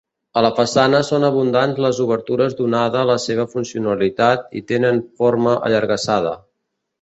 A la façana són abundants les obertures donada la seva funcionalitat i tenen forma allargassada.